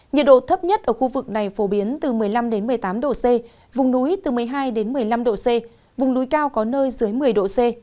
nhiệt độ thấp nhất ở khu vực này phổ biến từ một mươi năm một mươi tám độ c vùng núi từ một mươi hai một mươi năm độ c vùng núi cao có nơi dưới một mươi độ c